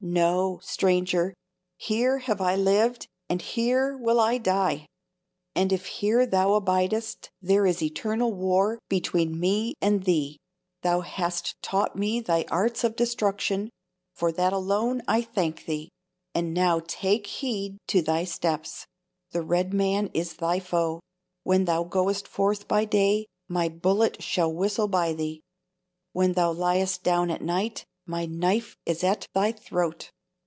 No, stranger, here have I lived, and here will I die! and if here thou abidest, there is eternal war between me and thee! Thou hast taught me thy arts of destruction, for that alone I thank thee; and now take heed to thy steps; the red man is thy foe. When thou goest forth by day, my bullet shall whistle by thee; when thou liest down at night, my knife is at thy throat.